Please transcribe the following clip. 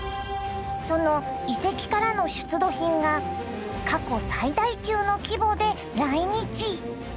その遺跡からの出土品が過去最大級の規模で来日。